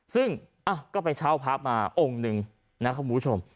ซึ่งก็ไปเช่าพระมาองค์หนึ่งนะครับคุณผู้ชม